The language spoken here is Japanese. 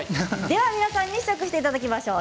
皆さんに試食していただきましょう。